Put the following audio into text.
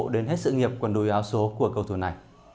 đến hết sự nghiệp quần đồ áo số của cầu thủ này